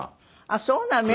あっそうなの。